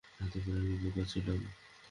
হতে পারে আমি বোকা ছিলাম।